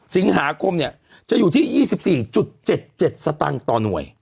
สิงหาคมจะอยู่ที่๒๔๗๗สตางค์ต่อหน่วย